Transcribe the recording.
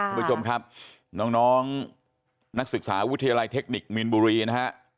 คุณผู้ชมครับน้องนักศึกษาวิทยาลัยเทคนิคมีนบุรีนะฮะ